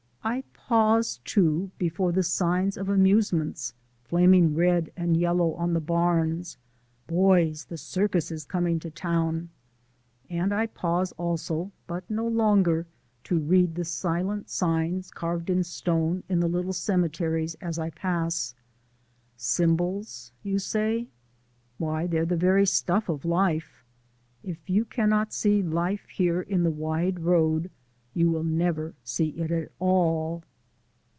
I pause, too, before the signs of amusements flaming red and yellow on the barns (boys, the circus is coming to town!), and I pause also, but no longer, to read the silent signs carved in stone in the little cemeteries as I pass. Symbols, you say? Why, they're the very stuff of life. If you cannot see life here in the wide road, you will never see it at all.